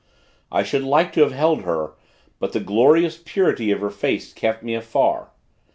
I should like to have held her; but the glorious purity of her face, kept me afar.